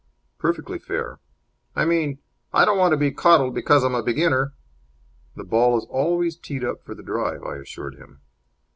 "Perfectly fair." "I mean, I don't want to be coddled because I'm a beginner." "The ball is always teed up for the drive," I assured him.